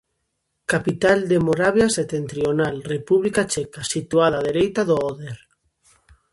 Capital de Moravia Setentrional, República Checa, situada á dereita do Óder.